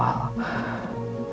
ya gak sebuah ini menjadi awal